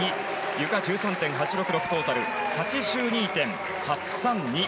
ゆか１３．８６６トータル８２．８３２。